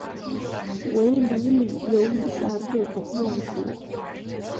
围炉里有以下各种用途。